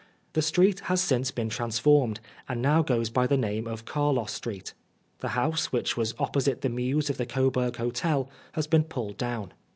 The street has since been transformed, and now goes by the name of Carlos Street. The house, which was oppo site the mews of the Coburg Hotel, has been pulled down.